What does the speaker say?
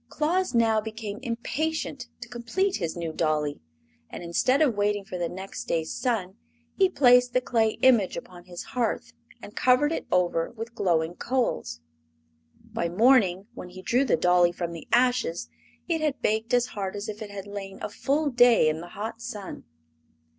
Claus now became impatient to complete his new dolly, and instead of waiting for the next day's sun he placed the clay image upon his hearth and covered it over with glowing coals. By morning, when he drew the dolly from the ashes, it had baked as hard as if it had lain a full day in the hot sun.